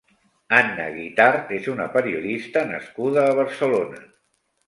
Anna Guitart és una periodista nascuda a Barcelona.